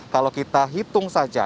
kalau kita hitung saja